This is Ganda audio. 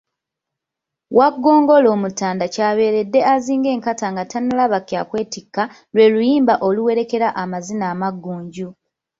Waggongolo mutanda ky'abeeredde azinga enkata nga tannalaba kya kwetikka lwe luyimba oluwerekera amazina amaggunju.